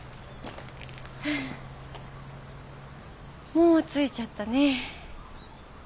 もう着いちゃったね。